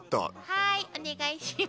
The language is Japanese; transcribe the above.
はいお願いしま。